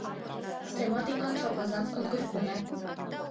Թեմատիկան չափազանց ընդգրկուն է։